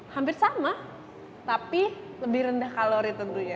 hampir sama tapi lebih rendah kalori tentunya